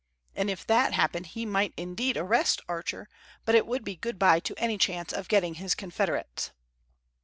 And if that happened he might indeed arrest Archer, but it would be good bye to any chance of getting his confederates.